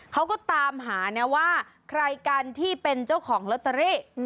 เขาก็ตามหานะว่าใครกันที่เป็นเจ้าของลอตเตอรี่